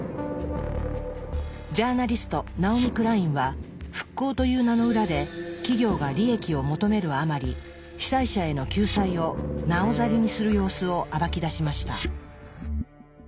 ジャーナリストナオミ・クラインは「復興」という名の裏で企業が利益を求めるあまり被災者への救済をなおざりにする様子を暴き出しました。